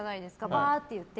ばーって言って。